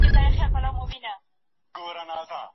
موږ په پښتو ژبي خپل فکر څرګندوو.